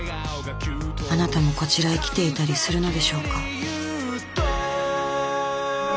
あなたもこちらへ来ていたりするのでしょうか。